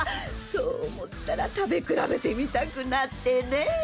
そう思ったら食べ比べてみたくなってねぇ。